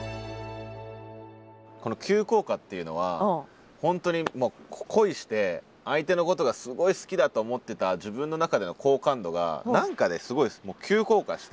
この「急降下」っていうのは本当に恋して相手のことがすごい好きだと思ってた自分の中での好感度が何かですごい急降下して。